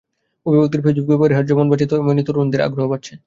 অভিভাবকদের ফেসবুক ব্যবহারের হার যেমন বাড়ছে তখনই তরুণদের আগ্রহ কমছে এতে।